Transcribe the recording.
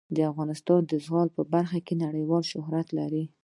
افغانستان د زغال په برخه کې نړیوال شهرت لري.